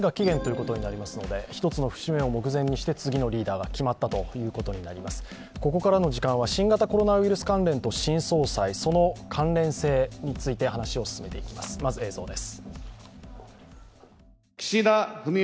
ここからの時間は新型コロナウイルス関連と新総裁その関連性について話を進めていきます、まず映像です。